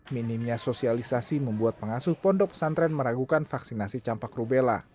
minimnya sosialisasi membuat pengasuh pondok pesantren meragukan vaksinasi campak rubella